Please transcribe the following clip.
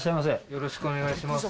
よろしくお願いします。